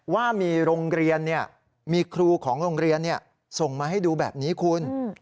ว่ามีโรงเรียนมีครูของโรงเรียนส่งมาให้ดูแบบนี้คุณ